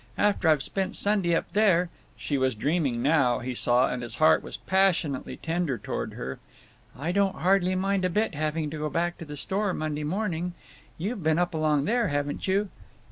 After I've spent Sunday up there"—she was dreaming now, he saw, and his heart was passionately tender toward her—"I don't hardly mind a bit having to go back to the store Monday morning…. You've been up along there, haven't you?"